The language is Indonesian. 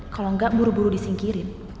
kalau nggak buru buru disingkirin